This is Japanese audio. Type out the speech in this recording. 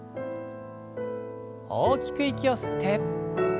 大きく息を吸って。